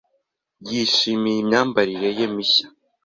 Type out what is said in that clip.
Yishimiye imyambarire ye mishya.